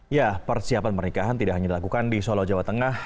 ya persiapan pernikahan tidak hanya dilakukan di solo jawa tengah